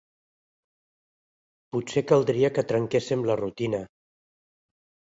Potser caldria que trenquéssem la rutina.